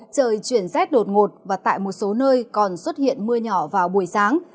trời chuyển rét đột ngột và tại một số nơi còn xuất hiện mưa nhỏ vào buổi sáng